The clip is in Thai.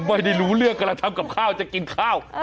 ไม่รู้เรื่องกำลังทำกับข้าวจะกินข้าว